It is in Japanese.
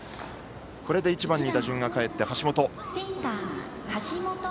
これで１番に打順がかえって橋本。